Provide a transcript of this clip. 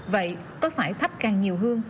vậy có phải thắp càng nhiều hương